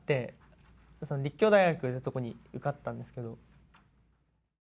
その立教大学ってとこに受かったんですけど。